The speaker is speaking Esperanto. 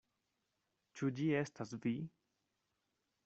Ĉu ĝi estas vi?